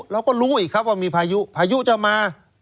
เราก็รู้อีกครับว่ามีพายุพายุจะมา